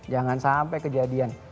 jangan sampai kejadian